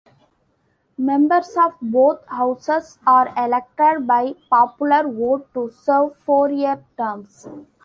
Members of both houses are elected by popular vote to serve four-year terms.